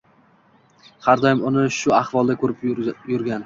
Har doim uni shu ahvolda koʻrib yurgan.